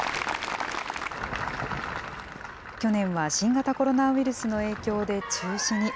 去年は新型コロナウイルスの影響で、中止に。